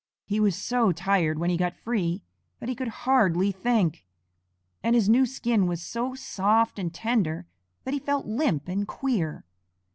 He was so tired when he got free that he could hardly think, and his new skin was so soft and tender that he felt limp and queer.